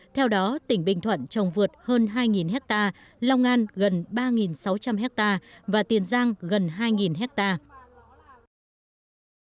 theo đó tỉnh bình thuận trồng vượt hơn hai hectare long an gần ba sáu trăm linh hectare và tiền giang gần hai hectare